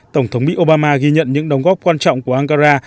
tổng thống mỹ obama ghi nhận những đóng góp quan trọng của ankara